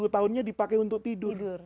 dua puluh tahunnya dipakai untuk tidur